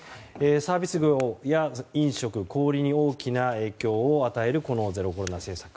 サービス業や飲食、小売りに大きな影響を与えるゼロコロナ政策。